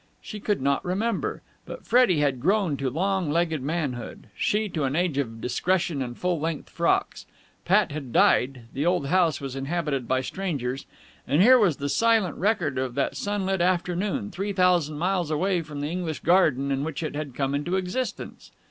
She could not remember. But Freddie had grown to long legged manhood, she to an age of discretion and full length frocks, Pat had died, the old house was inhabited by strangers ... and here was the silent record of that sun lit afternoon, three thousand miles away from the English garden in which it had come into existence.